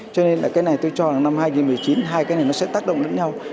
cho nên là cái này tôi cho là năm hai nghìn một mươi chín hai cái này nó sẽ tác động lẫn nhau